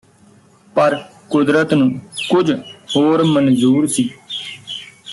ਪਰ ਕੁਦਰਤ ਨੂੰ ਕੁਝ ਹੋਰ ਮਨਜ਼ੂਰ ਸੀ